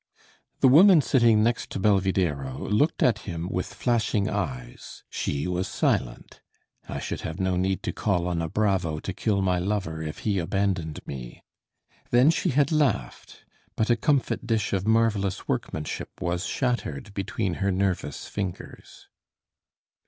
The woman sitting next to Belvidéro looked at him with flashing eyes. She was silent. "I should have no need to call on a bravo to kill my lover if he abandoned me." Then she had laughed; but a comfit dish of marvelous workmanship was shattered between her nervous fingers.